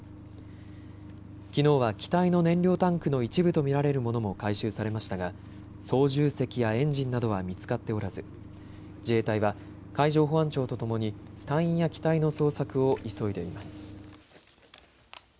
きのうは機体の燃料タンクの一部と見られるものも回収されましたが操縦席やエンジンなどは見つかっておらず自衛隊は海上保安庁とともに隊員や機体の捜索を急いでいます。